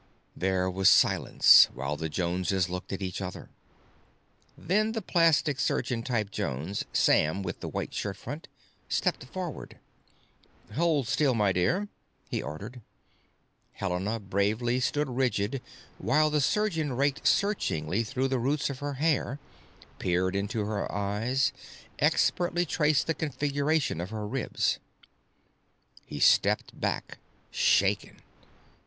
There was silence while the Joneses looked at each other. Then the plastic surgeon type Jones, Sam with the white shirt front, stepped forward. "Hold still, my dear," he ordered. Helena bravely stood rigid while the surgeon raked searchingly through the roots of her hair, peered into her eyes, expertly traced the configuration of her ribs. He stepped back, shaken.